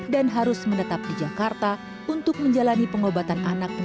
dan harus menetap di jakarta untuk menjalani pengobatan